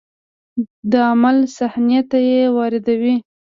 د عمل صحنې ته یې واردوي.